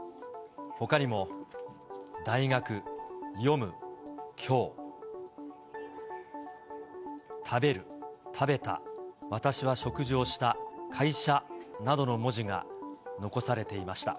ほかにも、大学、読む、きょう、食べる、食べた、私は食事をした、会社などの文字が残されていました。